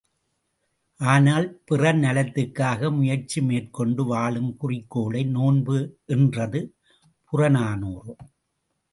ஆனால், பிறர் நலத்துக்காக முயற்சி மேற்கொண்டு வாழும் குறிக்கோளை நோன்பு என்றது புறநானூறு.